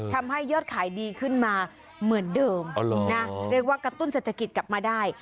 ทำให้ยอดขายดีขึ้นมาเหมือนเดิมเรียกว่ากระตุ้นเศรษฐกิจกลับมาได้